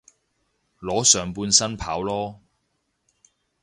裸上半身跑囉